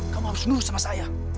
kamu harus nur sama saya